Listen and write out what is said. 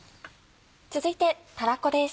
続いてたらこです。